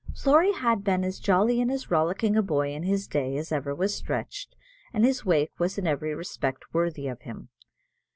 Flory had been as jolly and as rollicking a boy in his day as ever was stretched, and his wake was in every respect worthy of him.